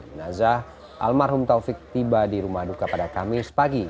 di nazah almarhum taufik tiba di rumah duka pada kami sepagi